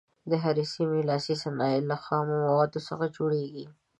د هرې سیمې لاسي صنایع له خامو موادو څخه جوړیږي.